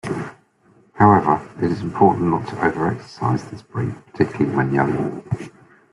However, it is important not to over exercise this breed, particularly when young.